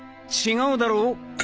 違うだろう？